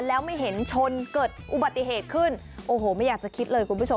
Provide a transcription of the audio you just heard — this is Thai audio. แล้วไม่เห็นชนเกิดอุบัติเหตุขึ้นโอ้โหไม่อยากจะคิดเลยคุณผู้ชม